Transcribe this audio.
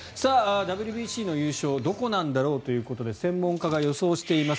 ＷＢＣの優勝どこなんだろうということで専門家が予想しています。